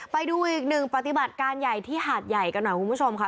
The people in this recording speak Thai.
ไปดูอีกหนึ่งปฏิบัติการใหญ่ที่หาดใหญ่กันหน่อยคุณผู้ชมค่ะ